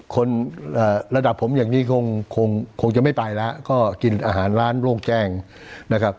คนระดับผมอย่างนี้คงจะไม่ไปแล้วก็กินอาหารร้านโล่งแจ้งนะครับ